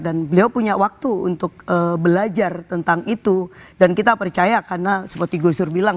dan beliau punya waktu untuk belajar tentang itu dan kita percaya karena seperti gusur bilang